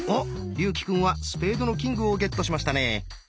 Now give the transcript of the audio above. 竜暉くんは「スペードのキング」をゲットしましたね。